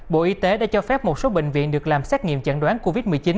bộ y tế đã cho phép một số bệnh viện được làm xét nghiệm chẩn đoán covid một mươi chín